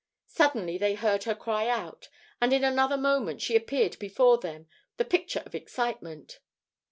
Suddenly they heard her cry out, and in another moment she appeared before them, the picture of excitement.